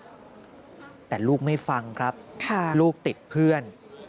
ตอนดึกนะลูกนะแต่ลูกไม่ฟังครับลูกติดเพื่อน